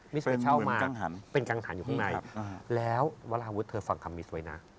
มิสให้เช่ามาเป็นกังหันอยู่ข้างในแล้ววาราวุฒิเธอฟังคำมิสไว้นะ